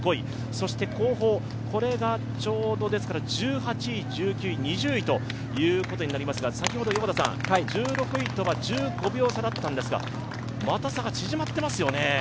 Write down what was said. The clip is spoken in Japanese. そして後方、これがちょうど１８位、１９位、２０位ということになりますが、先ほど１６位とは１５秒差だったんですが、また差が縮まってますよね。